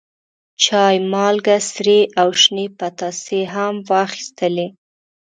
چای، مالګه، سرې او شنې پتاسې هم واخیستلې.